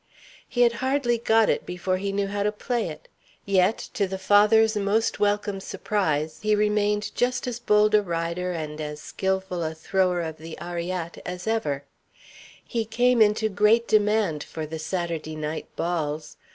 He had hardly got it before he knew how to play it. Yet, to the father's most welcome surprise, he remained just as bold a rider and as skilful a thrower of the arriatte as ever. He came into great demand for the Saturday night balls.